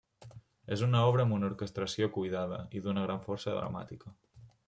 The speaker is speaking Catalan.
És una obra amb una orquestració cuidada i d'una gran força dramàtica.